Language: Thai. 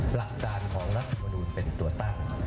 หลักการของรัฐมนูลเป็นตัวตั้ง